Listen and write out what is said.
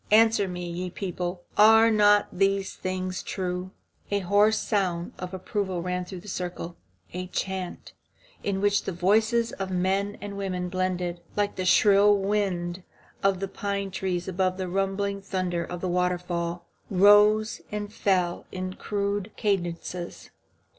Answer me, ye people, are not these things true?" A hoarse sound of approval ran through the circle. A chant, in which the voices of the men and women blended, like the shrill wind in the pine trees above the rumbling thunder of a waterfall, rose and fell in rude cadences.